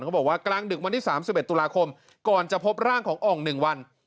เขาบอกว่ากลางดึกวันที่๓๑โตราคมก่อนจะพบร่างของอองนึงวัน